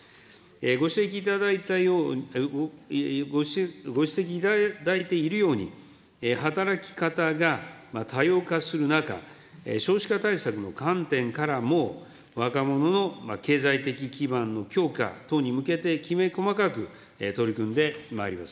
ご指摘いただいた、ご指摘いただいているように、働き方が多様化する中、少子化対策の観点からも、若者の経済的基盤の強化等に向けて、きめ細かく取り組んでまいります。